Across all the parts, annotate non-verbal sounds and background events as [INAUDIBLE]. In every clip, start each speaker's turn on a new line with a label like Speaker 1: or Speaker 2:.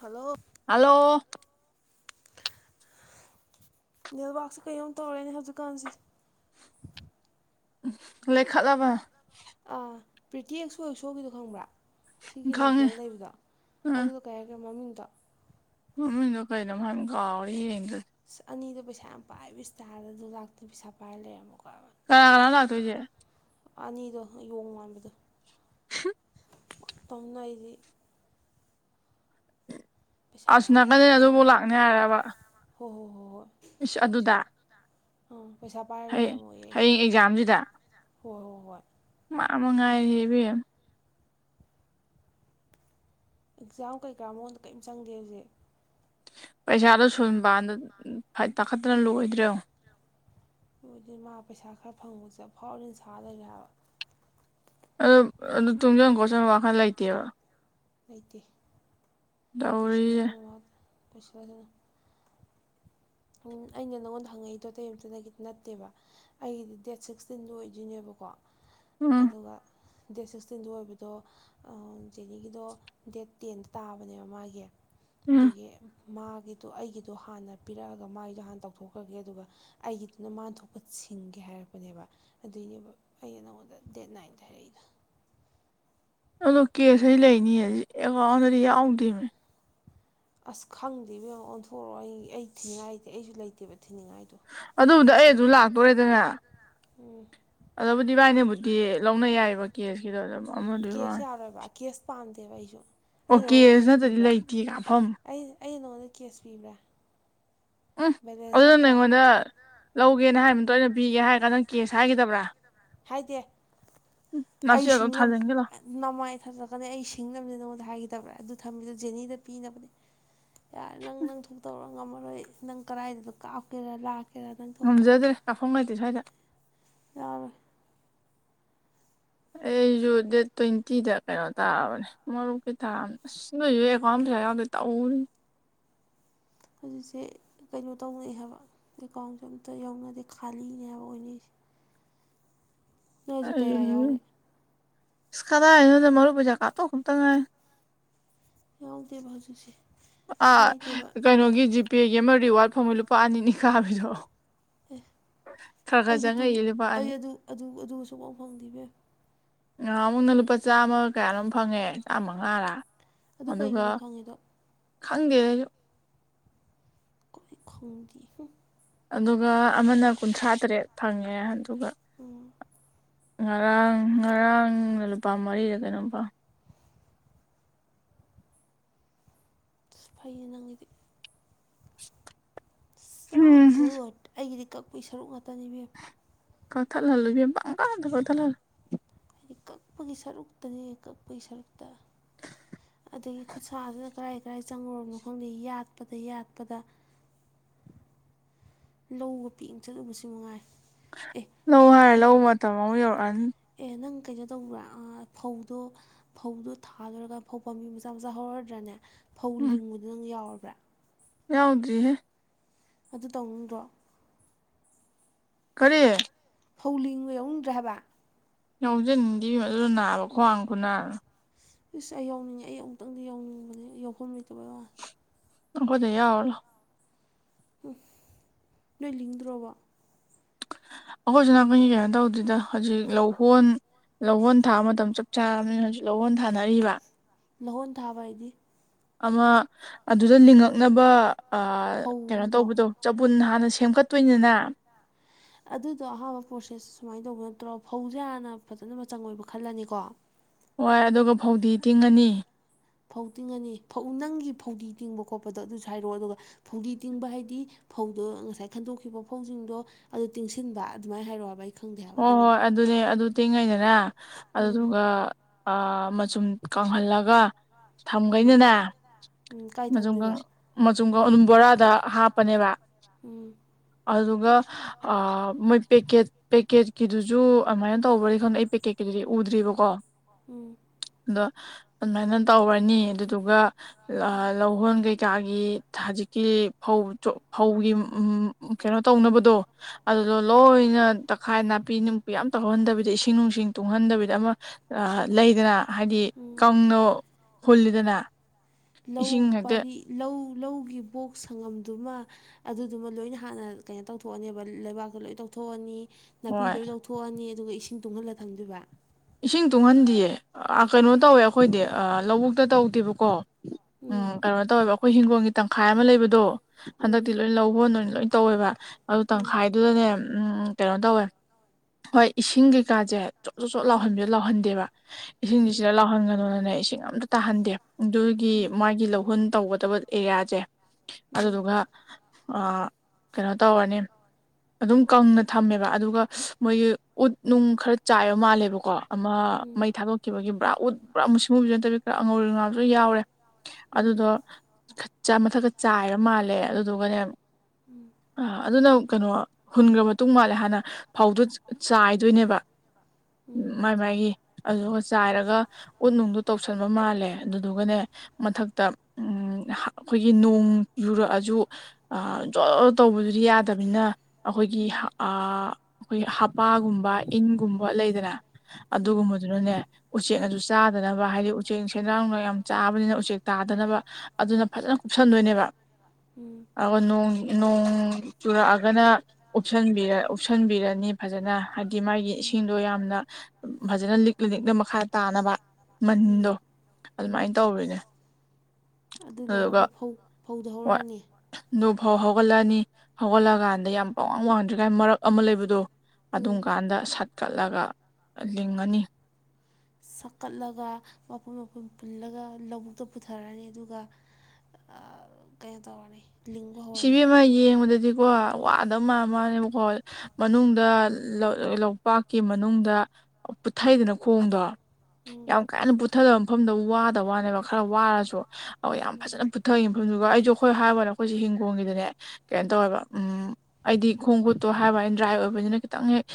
Speaker 1: Hello
Speaker 2: hello
Speaker 1: ꯃ ꯑꯁꯨ ꯀꯨ ꯇꯧꯔꯅꯤꯁ ꯗꯗꯨꯀꯥꯟ ꯁꯩ
Speaker 2: ꯂꯈꯥꯕ
Speaker 1: ꯑ ꯄ꯭ꯔꯤꯇꯤ ꯑꯁꯣꯏꯁꯣꯏꯒꯤꯗꯣ ꯈꯪꯕ꯭ꯔꯥ ꯁꯤꯒꯤ
Speaker 2: ꯈꯪꯉꯦ
Speaker 1: ꯂꯝꯐꯦꯜ ꯂꯩꯕꯗꯣ ꯑꯗꯨꯗꯣ ꯀꯌꯥꯒꯦ ꯃꯃꯤꯡꯗꯣ
Speaker 2: ꯎꯃꯤꯗ ꯀꯩꯩꯅ ꯍ ꯀꯥꯎ
Speaker 1: ꯑꯁ ꯑꯅꯤꯗꯣ ꯄꯩꯁꯥ ꯌꯥꯝ ꯄꯥꯏꯕ ꯏꯁꯇꯥꯥꯔꯗ ꯑꯗꯨ ꯂꯥꯛꯇꯨ ꯄꯩꯁꯥ ꯄꯥꯏꯔ ꯂꯩꯔꯝꯃꯣꯀꯣ
Speaker 2: ꯀꯅꯥ ꯀꯅꯥꯥ ꯂꯥꯛꯇꯣꯏꯁꯦ
Speaker 1: ꯑꯅꯤꯗꯣ ꯌꯣꯡ ꯃꯥꯟꯕꯗꯣ
Speaker 2: ꯍ
Speaker 1: ꯇꯧꯅ ꯑꯩꯗꯤ ꯄꯩꯁꯥ
Speaker 2: ꯑꯁ
Speaker 1: ꯌꯥꯝ
Speaker 2: ꯅꯥꯀꯟꯗ
Speaker 1: ꯄꯥꯏꯕꯁꯤꯗ
Speaker 2: ꯑꯗꯨꯐꯥꯎ ꯂꯥꯛꯅꯤ ꯍꯥꯏꯔꯦꯔꯕ
Speaker 1: ꯍꯣꯏ ꯍꯣꯏ ꯍꯣꯏ ꯍꯣꯏ
Speaker 2: ꯏꯁꯁ
Speaker 1: ꯄꯩꯁꯥ
Speaker 2: ꯑꯗꯨꯗ
Speaker 1: ꯑꯥ ꯄꯩꯁꯥ ꯄꯥꯏꯔ
Speaker 2: ꯍꯌꯦ
Speaker 1: ꯂꯩꯔꯝꯃꯣꯏꯌꯦ ꯑꯩꯁꯦ
Speaker 2: ꯍꯌꯦꯡ ꯑꯦꯛꯖꯥꯝꯁꯤꯗ
Speaker 1: ꯍꯣꯏ ꯍꯣꯏ ꯍꯣꯏ
Speaker 2: ꯌꯥꯝ ꯑꯃ ꯉꯥꯏꯔꯤꯦꯕꯦꯝ
Speaker 1: ꯑꯦꯛꯖꯥꯝ ꯀꯩꯀꯔꯥ ꯃꯉꯣꯟꯗ ꯀꯔꯤꯝ ꯆꯪꯗꯦ ꯍꯧꯖꯤꯛ
Speaker 2: ꯄꯩꯁꯥꯗꯣ ꯁꯣꯏꯕꯗ ꯇꯥꯈꯠꯇꯅ ꯂꯣꯏꯗ꯭ꯔꯣ
Speaker 1: ꯑꯗꯨꯗꯤ ꯃꯥ ꯄꯩꯁꯥ ꯈꯔ ꯐꯪꯕꯁꯨꯦꯐꯥꯎꯔ ꯟꯁꯥ ꯂꯩꯔꯦ ꯍꯥꯏꯕ
Speaker 2: ꯑꯗꯨ ꯑꯗꯨ ꯇꯨꯡꯖꯟ ꯈꯣꯠꯆꯟꯕ ꯋꯥꯈꯜ ꯂꯩꯇꯦꯕ
Speaker 1: ꯂꯩꯇꯦ
Speaker 2: ꯇꯧꯔꯤꯁꯦ
Speaker 1: ꯂꯣꯏꯁꯤꯜꯂꯁꯤꯅ ꯂꯣꯏꯁꯤꯜꯂꯁꯤꯅ ꯑꯩꯅ ꯅꯪꯉꯣꯟꯗ ꯍꯪꯉꯛꯏꯗꯣꯇꯇꯩꯝꯇꯅꯒꯤ ꯅꯠꯇꯦꯕ ꯑꯩꯒꯤꯗꯤ ꯗꯦꯠ ꯁꯤꯛꯁꯇꯤꯟ ꯑꯣꯏꯗꯣꯏꯅꯦꯕꯀꯣ
Speaker 2: ꯎꯝ
Speaker 1: ꯑꯗꯨꯒ ꯗꯦꯠ ꯁꯤꯛꯁꯇꯤꯟꯗꯨ ꯑꯣꯏꯕꯗꯣ ꯆꯦꯅꯤꯒꯤꯗꯣ ꯗꯦꯠ ꯇꯦꯟꯗ ꯇꯥꯕꯅꯦꯕ ꯃꯥꯒꯤ
Speaker 2: ꯎꯝ
Speaker 1: ꯑꯗꯨꯒꯤ ꯃꯥꯒꯤꯗꯣ ꯑꯩꯒꯤꯗꯣ ꯍꯥꯟꯅ ꯄꯤꯔꯛꯑ ꯑꯗꯨꯒ ꯃꯥꯏꯗꯣ ꯍꯥꯟ ꯇꯧꯊꯣꯛꯈ꯭ꯔꯒꯦ ꯑꯗꯨꯒ ꯑꯩꯒꯤꯗꯨꯅ ꯃꯥꯅ ꯊꯣꯛꯄ ꯁꯤꯡꯒꯦ ꯍꯥꯏꯔꯛꯄꯅꯦꯕ ꯑꯗꯨꯏꯅꯦꯕ ꯑꯩꯩꯅ ꯅꯪꯉꯣꯟꯗ ꯗꯦꯠ ꯅꯥꯏꯟꯗ ꯍꯥꯏꯔꯛꯏꯗ
Speaker 2: [INAUDIBLE] ꯑꯗꯣ ꯀꯦꯁ ꯑꯩ ꯂꯩꯅꯤ ꯍꯧꯖꯤ ꯑꯦꯀꯥꯎꯟꯗꯗꯤ ꯌꯥꯎꯗ꯭ꯔꯤꯅꯦ
Speaker 1: ꯑꯁ ꯈꯪꯗꯦꯕ ꯑꯣꯟꯊꯣꯔꯛꯑꯣ ꯑꯩ ꯑꯩ ꯊꯤꯉꯥꯏꯇꯦ ꯑꯩꯁꯨ ꯂꯩꯇꯦꯕ ꯊꯤꯅꯤꯡꯉꯥꯏꯗꯣ
Speaker 2: ꯑꯗꯨꯕꯨꯗꯤ ꯑꯩ ꯑꯗꯨ
Speaker 1: ꯇꯁꯦꯡꯅ
Speaker 2: ꯂꯥꯛꯇꯣꯔꯦꯗꯅ
Speaker 1: ꯎꯝ
Speaker 2: ꯑꯗꯨꯕꯨꯗꯤꯚꯥꯏꯅꯦꯕꯨ ꯗꯤ ꯂꯧꯅ ꯌꯥꯏꯑꯕ ꯀꯦꯁꯀꯤꯗꯣ ꯑꯗꯨꯝ ꯑꯃꯗꯨꯒꯤ
Speaker 1: ꯀꯦꯁ ꯌꯥꯔꯣꯏꯕ ꯀꯦꯁ ꯄꯥꯟꯝꯗꯦꯕ ꯑꯩꯁꯨ ꯑꯩ
Speaker 2: ꯑꯣꯀꯦ
Speaker 1: ꯅꯉꯣꯟꯗ
Speaker 2: ꯑꯗꯨ
Speaker 1: ꯀꯦꯁ
Speaker 2: ꯅꯠꯇꯗꯤ
Speaker 1: ꯄꯤꯕ꯭ꯔꯥ
Speaker 2: ꯂꯩꯇꯦ ꯀꯥꯞꯐꯝ
Speaker 1: ꯑꯩ ꯅꯉꯣꯟꯗ ꯀꯦꯁ ꯄꯤꯕ꯭ꯔꯥ
Speaker 2: ꯎꯝ
Speaker 1: ꯕꯦꯂꯦꯟꯁ
Speaker 2: ꯑꯗꯨꯅ ꯅ
Speaker 1: ꯅꯠꯇ꯭ꯔꯥ
Speaker 2: ꯑꯩꯉꯣꯟꯗ ꯂꯧꯒꯦꯅ ꯍꯥꯏꯕꯇ ꯑꯣꯏꯅ ꯄꯤꯒꯦ ꯍꯥꯏꯔ ꯀꯥꯟꯗ ꯀꯦꯁ ꯍꯥꯏꯒꯗꯕ꯭ꯔꯥ
Speaker 1: ꯍꯥꯏꯗꯤꯦ
Speaker 2: ꯅꯥꯆꯦ
Speaker 1: ꯑꯩ
Speaker 2: ꯑꯗꯨꯝ ꯊꯥꯖꯤꯟꯒꯦ ꯂꯥꯎ
Speaker 1: ꯁꯤꯡꯅꯕ ꯅꯃꯥꯏ ꯊꯥꯖꯛꯀꯅꯤ ꯑꯩ ꯁꯤꯡꯅꯕꯅꯦ ꯅꯉꯣꯟꯗ ꯍꯥꯏꯈꯤꯗꯕ꯭ꯔꯥ ꯑꯗꯨ ꯊꯝꯃꯤꯗꯣ ꯖꯦꯅꯤꯗ ꯄꯤꯅꯕꯅꯦ ꯌꯥꯔꯦ ꯅꯪ ꯅꯪ ꯊꯣꯛꯇꯧꯔꯣ ꯉꯝꯃꯔꯣꯏ ꯅꯪ ꯀꯗꯥꯏꯗꯣ ꯀꯥꯞꯀꯦꯔꯥ ꯂꯥꯛꯀꯦ
Speaker 2: ꯉꯝꯖꯗ꯭ꯔꯦ ꯀꯥꯈꯐꯝ ꯂꯩꯇꯦ ꯁ꯭ꯋꯥꯏꯗ
Speaker 1: ꯑ
Speaker 2: ꯑꯩꯁꯨ ꯗꯦꯠ ꯇ꯭ꯋꯦꯟꯇꯤꯗ ꯀꯩꯅꯣ ꯇꯥꯕꯅꯦ ꯃꯣꯏꯕꯨ ꯀꯩ ꯇꯥ ꯁꯤ ꯂꯁꯨ ꯀꯣꯝ ꯗ [UNINTELLIGIBLE] ꯇ ꯎꯅꯤ
Speaker 1: ꯍꯧꯖꯤꯛꯁꯦ ꯀꯩꯅꯣ ꯇꯧꯅꯩ ꯍꯥꯏꯕ ꯑꯦꯀꯥꯎꯟꯁꯦ ꯑꯝꯇ ꯌꯧꯅꯗꯦ ꯈꯥꯜꯂꯤꯅꯦ ꯍꯥꯏꯕ ꯑꯣꯏꯁꯦ
Speaker 2: [INAUDIBLE]
Speaker 1: ꯅꯣꯏꯖꯤꯛ ꯀꯌꯥ ꯌꯥꯎꯏꯦ
Speaker 2: ꯏꯁꯀꯗꯥ ꯏꯅ ꯃꯔꯨꯕꯨꯖꯥꯀꯥꯇ ꯨꯨꯝꯇꯪꯥꯏ
Speaker 1: ꯌꯥꯎꯗꯦꯕ ꯍꯧꯖꯤꯛꯁꯦ
Speaker 2: ꯑꯥ
Speaker 1: ꯄꯥꯏꯗꯦꯕ
Speaker 2: ꯀꯩꯅꯣꯒꯤ ꯖꯤꯄꯦꯒꯤ ꯑꯃ ꯔꯤꯋꯥꯔꯠ ꯐꯪꯕ ꯂꯨꯄꯥ ꯑꯅꯤꯅꯤ ꯈꯥꯕꯤꯔꯛꯑꯣ
Speaker 1: ꯑꯦ
Speaker 2: ꯂꯨꯄꯥ ꯑꯅꯤ
Speaker 1: ꯑꯩꯗꯤꯁꯨꯐꯥꯎ ꯐꯪꯗꯕ
Speaker 2: ꯉꯍ ꯑꯃꯨꯛꯅ ꯂꯨꯄꯥ ꯆꯥꯝꯃ ꯀꯌꯥ ꯂꯣꯝ ꯐꯪꯉꯦ ꯆꯥꯝꯃ ꯉꯥꯔ
Speaker 1: ꯑꯗꯨ ꯀꯩꯒꯤꯅꯣ ꯐꯪꯉꯤꯗꯣ
Speaker 2: ꯈꯪꯦ
Speaker 1: ꯀꯣꯏ ꯈꯥꯎꯗꯤ
Speaker 2: ꯑꯗꯨꯒ ꯑꯃꯅ ꯀꯨꯟꯊ꯭ꯔꯥ ꯇꯔꯦꯠ ꯐꯪꯉꯦ ꯑꯗꯨꯒ
Speaker 1: ꯎꯝ
Speaker 2: ꯉꯔꯥꯡ ꯉꯔꯥꯡꯅ ꯂꯨꯄꯥ ꯃꯔꯤꯗ ꯀꯩꯅꯣꯝ ꯄꯥꯎ
Speaker 1: ꯁꯤꯨꯐꯥꯏ ꯅꯉꯏꯗꯤ ꯆ
Speaker 2: ꯎꯝ
Speaker 1: ꯒꯗ ꯑꯩꯒꯤꯗꯤ ꯀꯛꯄꯒꯤ ꯁꯔꯨꯛ ꯉꯥꯛꯇꯅꯤ ꯃꯦꯝ
Speaker 2: ꯀꯊ ꯂꯜꯂꯨꯕꯤ ꯄ ꯀꯥꯟꯗ ꯀꯊ ꯂꯜꯂꯨ
Speaker 1: ꯍꯥꯏꯗꯤ ꯀꯛꯄꯒꯤ ꯁꯔꯨꯛꯇꯅꯦ ꯀꯛꯄꯒꯤ ꯁꯔꯨꯛꯇ ꯑꯗ ꯑꯗꯒꯤ ꯈꯨꯠꯁꯥꯁꯤꯅ ꯀꯔꯥꯏ ꯀꯗꯥꯏ ꯆꯪꯉꯨꯔꯝꯅꯣ ꯈꯪꯗꯦ ꯌꯥꯠꯄꯗ ꯌꯥꯠꯄꯗ ꯂꯧꯒ ꯄꯤ ꯆꯠꯂꯨꯕꯁꯨ ꯅꯨꯡꯉꯥꯏ
Speaker 2: ꯂꯧ ꯍꯥꯏꯔꯦ ꯂꯧꯕ ꯃꯇꯝ ꯑꯃꯨꯛ ꯌꯧꯔꯛꯑꯅꯤ
Speaker 1: ꯑꯦ ꯅꯪ ꯀꯩꯅꯣ ꯇꯧꯕ꯭ꯔꯥ ꯐꯧꯗꯣ ꯐꯧꯗꯣ ꯊꯥꯗꯔꯒ ꯐꯧ ꯄꯥꯝꯕꯤ ꯃꯆꯥ ꯃꯆꯥ ꯍꯧꯔꯗ꯭ꯔꯥꯅꯦ ꯐꯧ ꯂꯤꯡꯕꯗꯨ ꯅꯪ ꯌꯥꯎꯔꯕ꯭ꯔꯥ
Speaker 2: ꯌꯥꯎꯗ꯭ꯔꯤ
Speaker 1: ꯑꯗꯨ ꯇꯧꯅꯤꯡꯗ꯭ꯔꯣ
Speaker 2: ꯈꯔꯤ
Speaker 1: ꯐꯧꯂꯤꯡꯉ ꯌꯥꯎꯅꯤꯡꯗ꯭ꯔꯦ ꯍꯥꯏꯕ
Speaker 2: ꯌꯥꯖ ꯗꯤ ꯃꯗꯨꯗ ꯅꯥꯕ ꯈ꯭ꯋꯥꯡ ꯀꯅꯥ
Speaker 1: ꯏꯁꯁ ꯑꯩ ꯌꯥꯎꯅꯤꯡꯉꯦ ꯑꯩ ꯑꯃꯨꯛꯇꯪꯗꯤ ꯌꯥꯎꯅꯤꯡꯕꯅꯦ ꯌꯥꯎꯐꯝ ꯂꯩꯇꯕꯩ ꯋꯥ
Speaker 2: ꯀꯗꯤ ꯌꯥꯎꯎꯂꯣ
Speaker 1: ꯎ ꯅꯣꯏ ꯂꯤꯡꯗ꯭ꯔꯣꯕ
Speaker 2: ꯑꯩꯈꯣꯏꯁꯨ ꯅꯥꯀꯟꯒꯤ ꯀꯩꯅꯣ ꯇꯧꯗꯣꯏꯗ ꯍꯧꯖꯤꯛ ꯂꯧꯍꯣꯟ ꯂꯧꯒꯣꯟ ꯊꯥꯕ ꯃꯇꯝ ꯆꯞ ꯆꯥꯕꯅꯤꯅ ꯍꯧꯖꯤꯛ ꯂꯣꯟ ꯊꯥꯅꯔꯤꯕ
Speaker 1: ꯂꯍꯣꯟ ꯊꯥꯕ ꯍꯥꯏꯗꯤ
Speaker 2: ꯑꯃ ꯑꯗꯨꯗ ꯂꯤꯡꯉꯛꯅꯕ ꯀꯩꯅꯣ
Speaker 1: ꯐꯧꯗꯣ
Speaker 2: ꯇꯧꯕꯗꯣ ꯆ ꯎꯟ ꯍꯥꯟꯅ ꯁꯦꯝꯒꯠꯇꯣꯏꯅꯤꯅ
Speaker 1: ꯑꯗꯨꯗꯣ ꯑꯍꯥꯥꯟꯕ ꯄ꯭ꯔꯣꯁꯦꯁ ꯁꯨꯃꯥꯏꯅ ꯇꯧꯕ ꯅꯠꯇ꯭ꯔꯣ ꯐꯧꯁꯦ ꯍꯥꯟꯅ ꯐꯖꯅ ꯃꯆꯪ ꯑꯣꯏꯕ ꯈꯜꯂꯅꯤꯀꯣ
Speaker 2: ꯍꯣꯏ ꯑꯗꯨꯒ ꯐꯧꯗꯤ ꯇꯤꯡꯉꯅꯤ
Speaker 1: ꯐꯧ ꯇꯤꯡꯉꯅꯤ ꯐꯧ ꯅꯪꯒꯤ ꯐꯧꯗꯤ ꯇꯤꯡꯕ ꯈꯣꯠꯄꯗꯣ ꯑꯗꯨꯁꯨ ꯍꯥꯏꯔꯛꯑꯣ ꯑꯗꯨꯒ ꯐꯧꯗꯤ ꯇꯤꯡꯕ ꯍꯥꯏꯗꯤ ꯐꯧꯗꯣ ꯉꯁꯥꯏ ꯈꯟꯗꯣꯛꯈꯤꯕ ꯐꯧꯁꯤꯡꯗꯣ ꯑꯗꯨ ꯇꯤꯡꯁꯤꯟꯕ ꯑꯗꯨꯃꯥꯏꯅ ꯍꯥꯏꯔꯣ ꯍꯥꯏꯕ ꯑꯩ ꯈꯪꯗꯦ ꯍꯥꯏꯕ
Speaker 2: ꯍꯣꯏ
Speaker 1: ꯑꯗꯨꯒꯤꯅꯤ
Speaker 2: ꯍꯣꯏ ꯑꯗꯨꯅꯦ ꯑꯗꯨ ꯇꯤꯡꯉꯩꯗꯅ
Speaker 1: ꯎꯝ
Speaker 2: ꯑꯗꯨꯗꯨꯒ ꯑꯥ ꯃꯆꯨꯝ ꯀꯪꯍꯜꯂꯒ
Speaker 1: ꯎꯝ
Speaker 2: ꯊꯝꯈꯩꯅꯅ
Speaker 1: ꯎꯝ ꯀꯥꯏ
Speaker 2: ꯃꯆꯨꯝ ꯀꯪ
Speaker 1: ꯊꯝꯗꯣꯏꯕ
Speaker 2: ꯃꯆꯨꯝꯒ ꯑꯗꯨꯝ ꯕꯣꯔꯥ ꯗ ꯍꯥꯞꯄꯅꯦꯕ
Speaker 1: ꯎꯝ
Speaker 2: ꯑꯗꯨꯗꯨꯒ ꯃꯣꯏ ꯄꯦꯛꯀꯦꯠ ꯄꯦꯛꯀꯦꯠꯀꯤꯗꯨꯁꯨ ꯑꯗꯃꯥꯏꯅ ꯇꯧꯕꯔꯗꯤ ꯈꯪꯗ‌ꯦ ꯑꯩ ꯄꯦꯀꯦꯠꯀꯤꯗꯨꯗꯤ ꯎꯗ꯭ꯔꯤꯕꯀꯣ
Speaker 1: ꯎꯝ
Speaker 2: ꯑꯗ‌ꯣ ꯑꯗꯨꯃꯥꯏꯅ ꯇꯧꯔꯅꯤ ꯑꯗꯨꯗꯨꯒ ꯂꯧꯍꯣꯟ ꯀꯩꯀꯥꯒꯤ ꯍꯧꯖꯤꯛꯀꯤ ꯐꯧ ꯆ‌ꯣꯠ ꯐꯧꯒꯤ ꯎꯝ ꯎꯝ ꯀꯩꯅꯣ ꯇꯧꯅꯕꯗꯣ ꯑꯗꯨꯗꯣ ꯂꯣꯏꯅ ꯇꯛꯈꯥꯏ ꯅꯥꯄꯤ ꯅꯨꯡꯄꯤ ꯑꯝꯇ ꯍꯧꯍꯟꯗꯕꯤꯗ ꯏꯁꯤꯡ ꯅꯨꯡꯁꯤꯡ ꯇꯨꯡꯍꯟꯗꯕꯤꯗ ꯑꯃ ꯑꯥ ꯂꯩꯗꯅ ꯍꯥꯏꯗꯤ
Speaker 1: ꯎꯝ
Speaker 2: ꯀꯪꯅ ꯍꯨꯜꯂꯤꯗꯅ ꯏꯁꯤꯡ
Speaker 1: ꯂꯧ
Speaker 2: ꯍꯦꯛꯇ
Speaker 1: ꯄꯔꯤ ꯂꯧ ꯂꯧꯒꯤ ꯕꯣꯛꯁ ꯁꯪꯉꯝꯗꯨꯃ ꯑꯗꯨꯗꯨꯃ ꯂꯣꯏꯅ ꯍꯥꯟꯅ ꯀꯩꯅꯣ ꯇꯧꯊꯣꯛꯑꯅꯦꯕ ꯂꯩꯕꯥꯛꯇ ꯂꯣꯏꯅ ꯇꯧꯊꯣꯛ ꯂꯧꯊꯣꯛꯑꯅꯤ ꯅꯥꯄꯤ
Speaker 2: ꯍꯣꯏ
Speaker 1: ꯂꯣꯏ ꯂꯧꯊꯣꯛꯑꯅꯤ ꯑꯗꯨꯒ ꯏꯁꯤꯡ ꯇꯨꯡꯍꯜꯂ ꯊꯝꯗꯣꯏꯕ
Speaker 2: ꯏꯁꯤꯡ ꯇꯨꯡꯍꯟꯗꯤꯌꯦ ꯑꯥ ꯀꯩꯅꯣ ꯇꯧꯋꯦ ꯑꯩꯈꯣꯏꯗꯤ ꯑꯥ ꯂꯧꯕꯨꯛꯇ ꯇꯧꯗꯦꯕꯀꯣ ꯎꯝ ꯀꯩꯅꯣ ꯇꯧꯋꯦꯕ ꯑꯩꯈꯣꯏ ꯍꯤꯡꯒꯣꯜꯒꯤ ꯇꯪꯈꯥꯏ ꯑꯃ ꯂꯩꯕꯗꯣ
Speaker 1: ꯎꯝ
Speaker 2: ꯍꯟꯗꯛꯇꯤ ꯂꯣꯏ ꯂꯧꯍꯣꯟ ꯑꯣꯏꯅ ꯂꯣꯏꯅ ꯇꯧꯋꯦꯕ ꯑꯗꯨ
Speaker 1: ꯎꯝ
Speaker 2: ꯇꯪꯈꯥꯏꯗꯨꯗꯅꯦ ꯎꯝ ꯎꯝ ꯀꯩꯅꯣ ꯇꯧꯋꯦ ꯍꯣꯏ ꯏꯁꯤꯡ ꯀꯩꯀꯥꯖ‌ꯦ ꯖ‌ꯣꯠ ꯆꯣꯠ
Speaker 1: ꯎꯝ
Speaker 2: ꯂꯥꯎꯍꯟꯕꯤꯗ‌ꯣ ꯂꯥꯎꯍꯟꯗꯦꯕ
Speaker 1: ꯎꯝ
Speaker 2: ꯏꯁꯤꯡꯁꯤꯗ ꯂꯥꯎꯍꯟꯒꯅꯨꯅꯅꯦ ꯏꯁꯤꯡ ꯑꯝꯇ ꯇꯥꯍꯟꯗꯦ ꯑꯗꯨꯒꯤ ꯃꯥꯏꯒꯤ ꯂꯧꯍꯨꯟ ꯇꯧꯒꯗꯕ ꯑꯦꯔꯤꯌꯥꯁꯦ
Speaker 1: ꯎꯝ ꯎꯝ
Speaker 2: ꯑꯗꯨꯗꯨꯒ ꯑ ꯀꯩꯅꯣ ꯇꯧꯔꯅꯤ ꯑꯗꯨꯝ ꯀꯪꯅ ꯊꯝꯃꯦꯕ ꯑꯗꯨꯒ ꯃꯣꯏꯒꯤ ꯎꯠ ꯅꯨꯡ ꯈꯔ ꯆꯥꯏꯕ ꯃꯥꯜꯂꯦ ꯀꯣ ꯑꯃ
Speaker 1: ꯎꯝ
Speaker 2: ꯃꯩ ꯊꯥꯗꯣꯛꯈꯤꯕꯒꯤ ꯕꯔꯥ ꯎꯠ ꯕꯔꯥ ꯃꯨꯁꯤꯠꯃꯨꯕꯤ ꯅꯠꯇꯕꯤ ꯈꯔ ꯑ ꯉꯧꯔꯤꯉꯥꯥꯡꯁꯨ ꯌꯥꯎꯔꯦ
Speaker 1: ꯎꯝ ꯎꯝ
Speaker 2: ꯑꯗꯨꯗꯣ ꯈꯠ ꯆ ꯃꯊꯛꯇ ꯆꯥꯏꯔ ꯃꯥꯜꯂꯦ ꯑꯗꯨꯗꯨꯒꯅꯦ ꯑ ꯑꯗꯨꯅ ꯀꯩꯅꯣ ꯍꯨꯟꯒ꯭ꯔ ꯃꯇꯨꯡ ꯃꯥꯜꯂꯦ ꯍꯥꯟꯅ ꯐꯧꯗꯣ ꯑꯥ ꯆꯥꯏꯗꯣꯏꯅꯦꯕ ꯃꯥꯏ ꯃꯥꯏꯒꯤ ꯑꯗꯨꯒ ꯆꯥꯏꯔꯒ ꯎꯠꯅꯨꯡꯗ‌ꯣ ꯇꯧꯁꯟꯕ ꯃꯥꯜꯂꯦ ꯑꯗꯨꯗꯨꯒꯅꯦ ꯃꯊꯛꯇ ꯎꯝ ꯑꯥ ꯑꯩꯈꯣꯏꯒꯤ ꯅꯣꯡ ꯌꯨꯔꯛꯑꯁꯨ ꯑ ꯖꯣꯔ ꯖꯣꯔ ꯇꯧꯕꯗꯨꯗꯤ ꯌꯥꯗꯕꯅꯤꯅ ꯑꯩꯈꯣꯏꯒꯤ ꯍ ꯑ ꯑꯩꯈꯣꯏ ꯑꯥ ꯍꯞꯄꯥꯒꯨꯝꯕ ꯏꯟꯒꯨꯝꯕ ꯂꯩꯗꯅ
Speaker 1: ꯎꯝ
Speaker 2: ꯑꯗꯨꯒꯨꯝꯕꯗꯨꯅꯅꯦ ꯎꯆꯦꯛꯅꯖꯨ ꯆꯥꯗꯅꯕ ꯍꯥꯏꯗꯤ ꯎꯆꯦꯛ ꯁꯦꯟꯗ꯭ꯔꯥꯡ ꯅꯨꯡꯂꯥꯡ ꯌꯥꯝ ꯆꯥꯕꯅꯤꯅ ꯎꯆꯦꯛ ꯇꯥꯗꯅꯕ ꯑꯗꯨꯅ ꯐꯖꯅ ꯁꯟꯗꯣꯏꯅꯦꯕ
Speaker 1: ꯎꯝ ꯎꯝ
Speaker 2: ꯑꯗꯨꯒ ꯅꯣꯡ ꯅꯣꯡ ꯆꯨꯔꯛꯑꯒꯅ ꯎꯞꯁꯟꯕꯤꯔ ꯎꯞꯁꯟꯕꯤꯔꯅꯤ ꯐꯖꯅ ꯍꯥꯏꯗꯤ ꯃꯥꯒꯤ ꯏꯁꯤꯡꯗꯣ ꯌꯥꯝꯅ ꯐꯖꯅ ꯂꯤꯛꯅ ꯂꯤꯛꯅ ꯃꯈꯥ ꯇꯥꯅꯕ
Speaker 1: ꯎꯝ
Speaker 2: ꯃꯟꯗꯣ
Speaker 1: ꯎꯝ
Speaker 2: ꯑꯗꯨꯃꯥꯏꯅ ꯇꯧꯔꯤꯅꯦ
Speaker 1: ꯑꯗꯨ
Speaker 2: ꯑꯗꯨꯒ
Speaker 1: ꯂꯣꯏꯔꯒ ꯐꯧ ꯐꯧꯗ‌ꯣ ꯍꯧꯔꯛꯑꯅꯤ
Speaker 2: ꯐꯧ ꯍꯧꯒꯠꯂꯛꯑꯅꯤ ꯍꯧꯒꯠꯂꯛꯑꯀꯥꯟꯗ ꯌꯥꯝ ꯄꯋꯥꯡ ꯋꯥꯡꯗ꯭ꯔꯤꯀꯥꯏ ꯃꯔꯛ ꯑꯃ ꯂꯩꯕꯗꯣ ꯑꯗꯨꯝ
Speaker 1: ꯎꯝ
Speaker 2: ꯀꯥꯟꯗ ꯁꯠꯀꯠꯂꯒ ꯑ ꯂꯤꯡꯉꯅꯤ
Speaker 1: ꯁꯠꯀꯠꯂꯒ ꯃꯄꯨꯟ ꯃꯄꯨꯟ ꯄꯨꯜꯂꯒ ꯂꯧꯕꯨꯛꯇ ꯄꯨꯊꯔꯅꯤ ꯑꯗꯨꯒ ꯑ ꯀꯩꯅꯣ ꯇꯧꯔꯅꯤ ꯂꯤꯡꯕ
Speaker 2: ꯏꯁ
Speaker 1: ꯍꯧꯔꯅꯤ
Speaker 2: ꯏꯕ‌ꯦꯝꯃꯥ ꯌꯦꯡꯕꯗꯗꯤ ꯀꯣ ꯋꯥꯗ ꯃꯥꯟꯕꯋꯥꯅ‌ꯦꯕꯀꯣ ꯑꯥ ꯃꯅꯨꯡꯗ ꯑꯥ ꯂ ꯂꯧꯄꯥꯛꯀꯤ ꯃꯅꯨꯡꯗ ꯄꯨꯠꯊꯩꯗꯅ ꯈꯣꯡꯗꯣ
Speaker 1: ꯎꯝ
Speaker 2: ꯌꯥꯝ ꯀꯥꯏꯟꯅ ꯄꯨꯊꯗꯕ ꯃꯐꯝꯗ ꯋꯥꯗ ꯋꯥꯅꯦꯕ ꯈꯔ ꯋꯥꯔꯁꯨ ꯑꯣ ꯌꯥꯝ
Speaker 1: ꯎꯝ
Speaker 2: ꯐꯖꯅ ꯄꯨꯊꯥꯒꯤ ꯃꯐꯝꯗꯨꯒ ꯑꯩꯁꯨ ꯑꯩꯈꯣꯏ ꯍꯥꯏꯕꯋꯥꯅ ꯑꯩꯈꯣꯏꯖ‌ꯦ ꯍꯤꯡꯒ‌ꯣꯟꯒꯤꯗꯅꯦ ꯀꯩꯅꯣ ꯇꯧꯋꯦꯕ ꯎꯝ ꯑꯩꯗꯤ ꯈꯣꯡ ꯈꯨꯨꯠꯇꯣ ꯍꯥꯏꯕꯋꯅꯤ ꯗ꯭ꯔꯥꯏ ꯑꯣꯏꯕꯅꯤꯅ ꯈꯤꯇꯪ ꯍꯦꯛ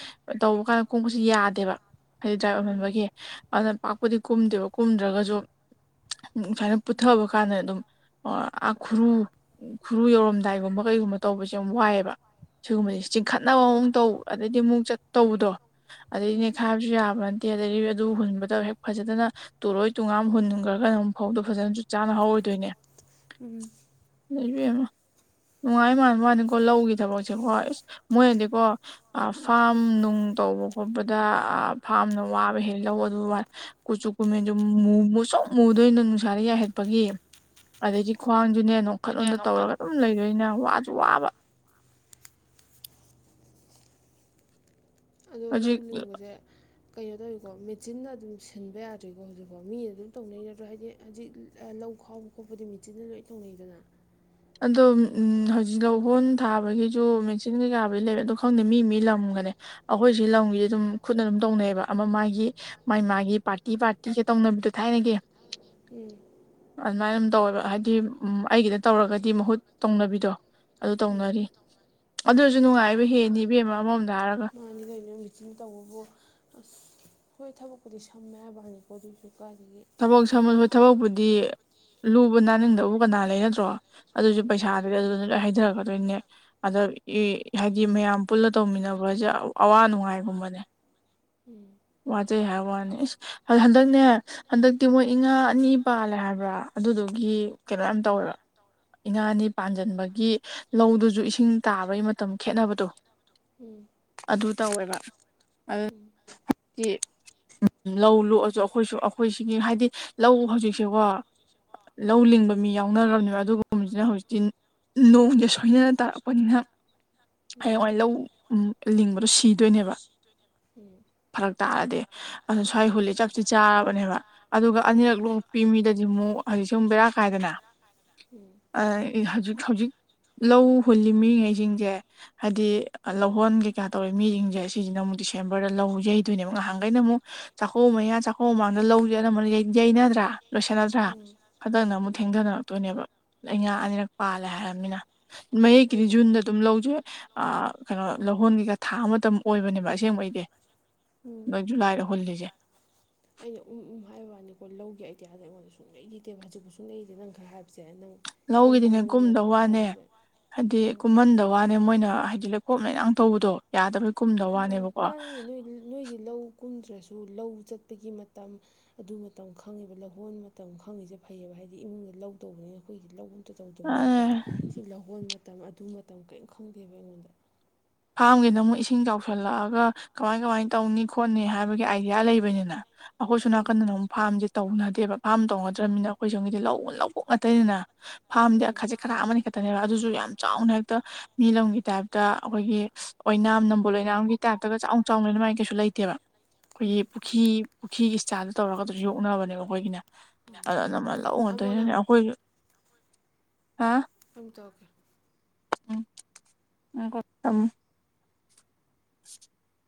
Speaker 2: ꯇꯧꯕ ꯀꯥꯟꯗ ꯈ‌ꯣꯡꯈꯨꯠꯁꯨ ꯌꯥꯗꯦꯕ ꯍꯥꯏꯗꯤ ꯗ꯭ꯔꯥꯏ
Speaker 1: ꯎꯝ
Speaker 2: ꯑꯣꯏꯃꯟꯕꯒꯤ ꯑꯗꯨꯅ ꯄꯥꯛꯄꯨꯗꯤ ꯀꯨꯝꯗꯦꯕ ꯀꯨꯝꯗ꯭ꯔꯒꯁꯨ ꯁꯨꯃꯥꯏꯅ ꯄꯨꯊꯕ ꯀꯥꯟꯗ ꯑꯗꯨꯝ ꯑ ꯈꯨꯔꯨ ꯈꯨꯔꯨ ꯌꯧꯔꯝꯗꯥꯏꯒꯨꯝꯕ ꯀꯩꯒꯨꯝꯕ ꯇꯧꯕꯁꯦ ꯌꯥꯝ ꯋꯥꯏꯑꯦꯕ
Speaker 1: ꯎꯝ
Speaker 2: ꯁꯤꯒꯨꯝꯕꯕꯁꯦ ꯆꯤꯡꯈꯠꯅꯕ ꯃꯑꯣꯡ ꯇꯧ ꯑꯗꯩꯗꯤ ꯑꯃꯨꯛ ꯆꯠ ꯇꯧꯕꯗꯣ ꯑꯗꯩ
Speaker 1: ꯎꯝ
Speaker 2: ꯅꯦꯛꯈꯥꯏꯕꯁꯨ ꯌꯥꯕ ꯇꯦ ꯑꯗꯒꯤ ꯑꯗꯨ ꯍꯨꯟꯕꯗ ꯍꯦꯛ ꯐꯖꯅ ꯇꯨꯔꯣꯏ ꯇꯨꯉꯥꯝ ꯍꯨꯟꯈ꯭ꯔꯒꯅꯛ ꯐꯧꯗꯣ ꯐꯖꯅ ꯆ ꯆꯥꯅ ꯍꯧꯔꯋꯏ ꯗꯨꯏꯅꯦ
Speaker 1: ꯎꯝ
Speaker 2: ꯏꯕꯦꯝꯃ ꯅꯨꯡꯉꯥꯏ ꯃꯥꯟꯕ꯭ꯋꯥꯅꯤ ꯀꯣ ꯂꯧꯒꯤ ꯊꯕꯛꯁꯦꯀꯣ ꯃꯣꯏꯅꯗꯤꯀꯣ ꯑ
Speaker 1: ꯎꯝ
Speaker 2: ꯐꯥꯝ ꯅꯨꯡ ꯇꯧꯕ ꯈꯣꯠꯄ ꯗ ꯑ ꯐꯥꯔꯝꯅ ꯋꯥꯕ ꯍꯦꯛ ꯂꯧ ꯑꯗꯨꯒ ꯀꯨꯆꯨ ꯀꯨꯃꯦꯟꯗꯨ ꯃꯨꯁꯨꯛ ꯃꯨꯗꯣꯏꯅꯤ ꯅꯨꯡꯁꯥꯗ ꯌꯥꯏꯍꯠꯄꯒꯤ ꯑꯗꯒꯤ ꯈ꯭ꯋꯥꯡꯁꯨꯅꯦ ꯋꯥꯈꯜꯂꯣꯟꯗ ꯇꯧꯔꯒ ꯑꯗꯨꯝ ꯂꯩꯗꯣꯏꯅꯦ ꯋꯥꯁꯨ ꯋꯥꯕ
Speaker 1: ꯑꯗꯣ ꯂꯧ
Speaker 2: ꯍꯧꯖꯤꯛ
Speaker 1: ꯂꯤꯡꯕꯁꯦ ꯀꯩꯅꯣ ꯇꯧꯋꯤꯀꯣ ꯃꯦꯆꯤꯟꯅ ꯑꯗꯨꯝ ꯁꯤꯟꯕ ꯌꯥꯗꯔꯤꯀꯣ ꯍꯧꯖꯤꯛꯐꯥꯎ ꯃꯤꯅ ꯑꯗꯨꯝ ꯇꯧꯅꯩ ꯅꯠꯇ꯭ꯔꯣ ꯍꯥꯏꯗꯤ ꯍꯖꯤꯛ ꯂꯧ ꯈꯥꯎꯕ ꯈꯣꯠꯄꯗꯤ ꯃꯦꯆꯤꯟꯅ ꯂꯣꯏ ꯇꯧꯅꯩꯗꯅ
Speaker 2: ꯑꯗꯣ ꯐꯝ ꯍꯧꯖꯤꯛ ꯂꯧꯍꯣꯟ ꯊꯥꯕꯒꯤꯁꯨ ꯃꯦꯆꯤꯟ ꯀꯩꯀꯥꯕꯨ ꯂꯩꯔꯦ ꯑꯗꯣ ꯈꯪꯗꯦ ꯃꯤ ꯃꯤ ꯂꯝꯒꯅꯤ ꯑꯩꯈꯣꯏ ꯁꯤ ꯂꯝꯒꯤꯗꯤ ꯗꯨꯝ ꯈꯨꯠꯅ ꯑꯗꯨꯝ ꯇꯩꯅꯩꯌꯦꯕ ꯑꯃ ꯃꯥꯒꯤ ꯃꯥꯏ ꯃꯥꯏꯒꯤ ꯅꯕꯗꯣ ꯊꯥꯏꯅꯒꯤ
Speaker 1: ꯎꯝ
Speaker 2: ꯑꯗꯨꯃꯥꯏꯅ ꯑꯗꯨꯝ ꯇꯧꯋꯦꯕ ꯍꯥꯏꯗꯤ ꯑꯩꯒꯤꯗ ꯇꯧꯔꯒꯗꯤ ꯃꯍꯨꯠ ꯇꯣꯡꯅꯕꯤꯗꯣ꯫ ꯑꯗꯨ
Speaker 1: ꯎꯝ
Speaker 2: ꯇꯧꯅꯔꯤ ꯑꯗꯨꯖꯨ ꯅꯨꯡꯉꯥꯏ꯫
Speaker 1: ꯑꯗꯨꯁꯨ ꯃꯥꯅꯤ ꯀꯩꯅꯣ ꯃꯤꯆꯤꯟꯅ ꯇꯧꯕꯕꯨ ꯑꯁ ꯍꯣꯏ ꯊꯕꯛꯄꯨꯗꯤ ꯁꯝꯃꯦ ꯍꯥꯏꯕꯋꯥꯅꯤ ꯑꯗꯨꯖꯨ
Speaker 2: ꯊꯕꯛ ꯁꯝꯃꯕ ꯊꯕꯛꯄꯨꯗꯤ ꯂꯨꯕ ꯅꯥꯅꯤꯡꯗꯕꯕꯨ ꯀꯅꯥ ꯂꯩ ꯅꯠꯇ꯭ꯔꯣ꯫ ꯑꯗꯨꯁꯨ
Speaker 1: ꯎꯝ
Speaker 2: ꯄꯩꯁꯥꯗꯨꯗꯤ ꯑꯗꯨꯗ ꯂꯣꯏ ꯍꯩꯗꯔꯛꯀꯗꯣꯏꯅꯦ ꯑꯗ ꯏ-ꯍꯥꯏꯗꯤ ꯃꯌꯥꯝ ꯄꯨꯜꯂ ꯇꯧꯃꯤꯟꯅꯕꯖꯦ ꯑꯋꯥ ꯅꯨꯡꯉꯥꯏꯒꯨꯝꯕꯅꯦ
Speaker 1: ꯎꯝ
Speaker 2: ꯋꯥꯖꯩ ꯍꯥꯏꯕ ꯋꯥꯅꯤ ꯏꯁ ꯑꯗꯨ ꯍꯟꯗꯛꯅꯦ ꯍꯟꯗꯛꯇꯤ ꯃꯣꯏ ꯏꯉꯥ ꯑꯅꯤ ꯄꯥꯜꯂꯦ ꯍꯥꯏꯕ꯭ꯔꯥ ꯑꯗꯨꯗꯨꯒꯤ ꯀꯩꯅꯣ ꯌꯥꯝ ꯇꯧꯋꯦꯕ ꯏꯉꯥ ꯑꯅꯤ ꯄꯥꯟꯖꯟꯕꯒꯤ ꯂꯧꯗꯨꯖꯨ ꯏꯁꯤꯡ ꯇꯥꯕꯩ ꯃꯇꯝ ꯈꯦꯠꯅꯕꯗꯣ
Speaker 1: ꯎꯝ
Speaker 2: ꯑꯗꯨ ꯇꯧꯋꯦꯕ ꯑꯗꯨ
Speaker 1: ꯎꯝ
Speaker 2: [UNINTELLIGIBLE] ꯂꯧ ꯂꯣꯛꯑꯖꯨ ꯑꯈꯣꯏꯁꯨ ꯑꯩꯈꯣꯏꯁꯤꯒꯤ ꯍꯥꯏꯗꯤ ꯂꯧ ꯍꯧꯖꯤꯛꯁꯦꯀꯣ ꯂꯧ
Speaker 1: ꯎꯝ ꯎꯝ ꯎꯝ
Speaker 2: ꯂꯤꯡꯕ ꯃꯤ ꯌꯥꯎꯅꯔꯕꯅꯦꯕ ꯑꯗꯨꯒꯨꯝꯕꯖꯤꯅ ꯍꯧꯖꯤꯛꯇꯤ ꯅꯣꯡꯖꯦ ꯁꯣꯏꯅꯅ ꯇꯥꯔꯛꯄꯅꯤꯅ ꯍꯌꯦꯡꯋꯥꯏ ꯂꯧ ꯎꯝ ꯂꯤꯡꯕꯗꯣ ꯁꯤꯗꯣꯏꯅꯦꯕ ꯐꯔꯛ ꯇꯥꯔꯗꯤ ꯑꯗꯨ ꯁ꯭ꯋꯥꯏ ꯍꯨꯂꯦ ꯆꯥꯛꯁꯤ ꯆꯥꯔꯕꯅꯦꯕ ꯑꯗꯨꯒ ꯑꯅꯤꯔꯛ ꯂꯣꯛꯄꯤ ꯃꯤꯗꯗꯤ ꯑꯃꯨꯛ ꯍꯧꯖꯤꯛꯁꯤꯃꯨꯛ ꯕꯦꯔꯥ ꯀꯥꯏꯗꯅ ꯑ ꯍꯧꯖꯤꯛ-ꯍꯧꯖꯤꯛ ꯂꯧ ꯍꯨꯜꯂꯤ ꯃꯤꯉꯩꯖꯤꯡꯖꯦ ꯍꯥꯏꯗꯤ ꯂꯧꯍꯣꯟ ꯀꯩꯀꯥ ꯇꯧꯔꯤ ꯃꯤꯖꯤꯡꯖꯦ ꯁꯤꯁꯤꯅ ꯑꯃꯨꯛ ꯗꯤꯁꯦꯝꯕꯔꯗ ꯂꯧ ꯌꯩꯗꯣꯏꯅꯦꯕ ꯉꯍꯥꯟꯒꯩꯅ ꯑꯃꯨꯛ ꯆꯥꯛꯀꯧ ꯃꯌꯥ ꯆꯥꯛꯀꯧꯕ ꯃꯃꯥꯡ ꯗ ꯂꯧꯖꯦ ꯑꯅꯝꯕꯅ ꯌꯩꯅꯗ꯭ꯔꯥ ꯂꯣꯏꯁꯟꯅꯗ꯭ꯔꯥ
Speaker 1: ꯎꯝ ꯎꯝ
Speaker 2: ꯍꯟꯗꯛꯅ ꯑꯃꯨꯛ
Speaker 1: ꯎꯝ ꯎꯝ
Speaker 2: ꯊꯦꯡꯗꯔꯛꯇꯣꯏꯅꯦꯕ ꯏꯉꯥ ꯑꯅꯤꯔꯛ ꯄꯥꯜꯂꯦ ꯍꯥꯏꯔꯝꯃꯤꯅ ꯃꯌꯦꯛꯀꯤꯗꯤ
Speaker 1: ꯑꯩꯅ
Speaker 2: ꯖꯨꯟꯗ ꯑꯗꯨꯝ ꯂꯧꯖꯦ ꯑ ꯀꯩꯅꯣ ꯂꯧꯍꯣꯟꯒꯤꯒ ꯊꯥꯕ ꯃꯇꯝ ꯑꯣꯏꯕꯅꯦꯕ ꯑꯁꯦꯡꯕꯩꯗꯤ
Speaker 1: ꯎꯝ
Speaker 2: ꯅꯣꯏ ꯖꯨꯂꯥꯏꯗ ꯍꯨꯜꯂꯤꯖꯦ꯫
Speaker 1: ꯑꯩꯅ ꯎꯝ-ꯎꯝ ꯍꯥꯏꯕ ꯋꯥꯅꯤꯀꯣ ꯂꯧꯒꯤ ꯑꯥꯏꯗꯤꯌꯥꯖꯦ ꯑꯩꯉꯣꯟꯗ ꯁꯨꯡꯂꯩ ꯂꯩꯇꯦꯕ ꯍꯧꯖꯤꯛꯄꯨ ꯁꯨꯡꯂꯩ ꯂꯩꯇꯦ ꯅꯪ ꯈꯔ ꯍꯥꯏꯕꯁꯦ ꯅꯪ ꯏꯄꯪ
Speaker 2: ꯂꯧꯒꯤꯗꯤꯅꯦ
Speaker 1: ꯄꯪꯕ ꯅꯪꯅ
Speaker 2: ꯀꯨꯝꯗ
Speaker 1: ꯈꯔ
Speaker 2: ꯋꯥꯅꯦ
Speaker 1: ꯍꯥꯏꯕꯁꯦ
Speaker 2: ꯍꯥꯏꯗꯤ
Speaker 1: ꯎꯝ
Speaker 2: ꯀꯨꯝꯍꯟꯗ ꯋꯥꯅꯦ ꯃꯣꯏꯅ ꯍꯥꯏꯗꯤ ꯂꯩꯈꯣꯝ-ꯂꯩꯅꯥꯡ ꯇꯧꯕꯗꯣ ꯌꯥꯗꯕ
Speaker 1: ꯃꯥ ꯃꯥꯅꯦ ꯅꯣꯏ-ꯅꯣꯏꯗꯤ ꯂꯧ ꯀꯨꯝꯗ꯭ꯔꯣ ꯇ꯭ꯔꯁꯨ ꯂꯧ ꯆꯠꯄꯒꯤ ꯃꯇꯝ ꯑꯗꯨ ꯃꯇꯝ ꯈꯪꯉꯤꯕ ꯂꯧꯍꯣꯟ ꯃꯇꯝ ꯈꯪꯉꯤꯖꯦ ꯐꯩꯌꯦꯕ ꯍꯥꯏꯗꯤ ꯃꯤꯒꯤ ꯂꯧ ꯇꯧꯕꯅꯤꯅ ꯑꯩꯈꯣꯏꯗꯤ ꯂꯧꯕ ꯑꯝꯇ ꯇꯧꯗ꯭ꯔꯤꯕꯅꯤꯅꯀꯣ
Speaker 2: ꯑꯦ
Speaker 1: ꯁꯤ ꯂꯧꯍꯣꯟ ꯃꯇꯝ ꯑꯗꯨ ꯃꯇꯝ ꯀꯔꯤꯝ ꯈꯪꯗꯦꯕ ꯑꯩꯉꯣꯟꯗ꯫
Speaker 2: ꯐꯥꯔꯝꯒꯤꯅ ꯑꯃꯨꯛ ꯏꯁꯤꯡ ꯆꯥꯎꯁꯤꯜꯂꯛꯑꯒ ꯀꯃꯥꯏ-ꯀꯃꯥꯏꯅ ꯇꯧꯅꯤ ꯈꯣꯠꯅꯤ ꯍꯥꯏꯕꯒꯤ ꯑꯥꯏꯗꯤꯌꯥ ꯂꯩꯕꯅꯤꯅ꯫ ꯑꯈꯣꯏ ꯁꯣꯝ
Speaker 1: ꯎꯝ
Speaker 2: ꯅꯥꯀꯟꯗꯅ ꯑꯃꯨꯛ ꯐꯥꯔꯝꯖꯦ ꯇꯧꯅꯗꯦꯕ ꯐꯥꯔꯝ ꯇꯧꯅꯗ꯭ꯔꯃꯤꯅ ꯑꯩꯈꯣꯏ ꯁꯣꯝꯒꯤꯗꯤ ꯂꯧ ꯂꯧꯕꯨꯛ ꯉꯥꯛꯇꯅꯤꯗꯅ꯫ ꯐꯥꯝꯗꯤ
Speaker 1: ꯎꯝ
Speaker 2: ꯑ-ꯈꯖꯤꯛ-ꯈꯔꯥꯛ ꯑꯃꯅꯤ ꯈꯛꯇꯅꯦꯕ ꯑꯗꯨꯖꯨ ꯌꯥꯝ ꯆꯥꯎꯅ ꯍꯦꯛꯇ ꯃꯤ ꯂꯝꯒꯤ ꯇꯥꯏꯞꯇ ꯑꯩꯈꯣꯏꯒꯤ ꯑꯣꯏꯅꯥꯝ ꯅꯝꯕꯣꯜ ꯑꯣꯏꯅꯥꯝꯒꯤ ꯇꯥꯏꯞꯇꯒ ꯆꯥꯎꯅ-ꯆꯥꯎꯅ ꯑꯗꯨꯃꯥꯏꯅ ꯀꯩꯁꯨ ꯂꯩꯇꯦꯕ꯫ ꯑꯈꯣꯏꯒꯤ
Speaker 1: ꯎꯝ
Speaker 2: ꯄꯨꯈꯤ-ꯄꯨꯈꯤꯒꯤ ꯁ꯭ꯇꯥꯏꯜꯗ ꯇꯧꯔꯒ ꯑꯗꯨꯖꯨ ꯌꯣꯛꯅꯕꯅꯦꯕ ꯑꯈꯣꯏꯒꯤꯅ ꯑꯗꯅꯃ ꯂꯧ
Speaker 1: ꯊꯝꯃꯣ ꯅꯪ
Speaker 2: ꯉꯥꯛꯇꯅꯤꯅꯅꯦ ꯑꯈꯣꯏꯖꯨ ꯍꯥ
Speaker 1: ꯇꯧꯒꯦ
Speaker 2: ꯎꯝ ꯉꯥꯏꯈꯣ ꯇꯝ [INAUDIBLE]